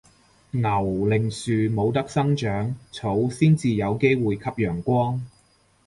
牛令樹冇得生長，草先至有機會吸陽光